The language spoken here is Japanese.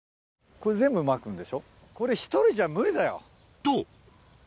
これ全部まくんでしょこれ１人じゃ無理だよ。と！